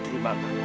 terima kasih kang